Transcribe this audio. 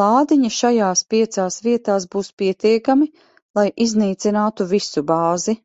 Lādiņi šajās piecās vietās būs pietiekami, lai iznīcinātu visu bāzi.